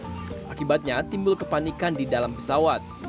penumpang tersebut menangkap penumpang yang menunggu kepanikan di dalam pesawat